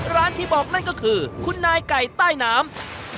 ที่บอกนั่นก็คือคุณนายไก่ใต้น้ำ